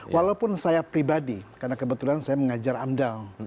walaupun saya pribadi karena kebetulan saya mengajar amdal